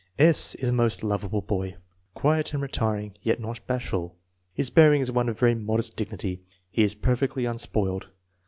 S. is a most lovable boy, quiet and retiring yet not bashful. His bearing is one of very modest dignity. He is perfectly unspoiled.